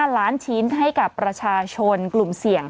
๕ล้านชิ้นให้กับประชาชนกลุ่มเสี่ยง